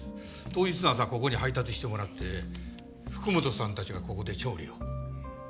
当日の朝ここに配達してもらって福元さんたちがここで調理を。